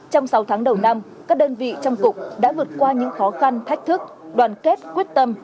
trong sáu tháng đầu năm các đơn vị trong cục đã vượt qua những khó khăn thách thức đoàn kết quyết tâm